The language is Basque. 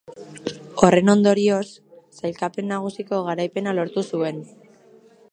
Horren ondorioz, sailkapen nagusiko garaipena lortu zuen.